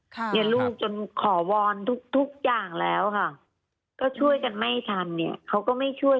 เรียนลูกจนขอวอนทุกทุกอย่างแล้วค่ะก็ช่วยกันไม่ทันเนี่ยเขาก็ไม่ช่วย